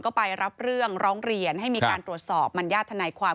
ก็ไปรับเรื่องร้องเรียนให้มีการตรวจสอบมัญญาติธนายความ